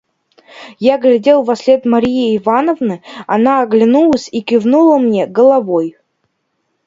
Я глядел вослед Марьи Ивановны; она оглянулась и кивнула мне головой.